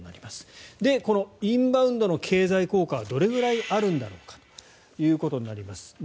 このインバウンドの経済効果はどれぐらいあるんだろうかということになります。